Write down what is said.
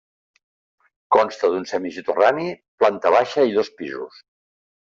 Consta d'un semisoterrani, planta baixa i dos pisos.